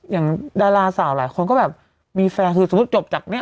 อย่างดาราสาวหลายคนก็แบบมีแฟนคือสมมุติจบจากเนี่ย